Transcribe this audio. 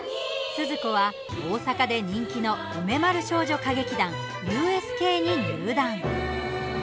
スズ子は、大阪で人気の梅丸少女歌劇団、ＵＳＫに入団。